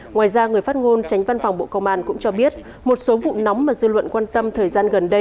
ngoài ra người phát ngôn tránh văn phòng bộ công an cũng cho biết một số vụ nóng mà dư luận quan tâm thời gian gần đây